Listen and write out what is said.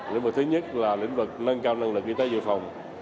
lĩnh vực thứ nhất là lĩnh vực nâng cao năng lực y tế dự phòng